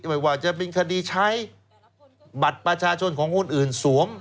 ไม่ว่าจะเป็นคดีใช้บัตรประชาชนของคนอื่นสวม